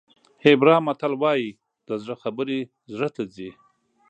هیبرا متل وایي د زړه خبرې زړه ته ځي.